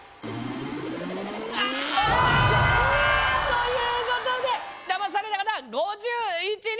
あということで騙された方５１人。